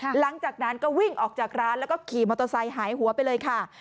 หลังจากนั้นก็วิ่งออกจากร้านแล้วก็ขี่มอเตอร์ไซค์หายหัวไปเลยค่ะ